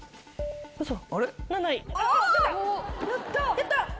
やった！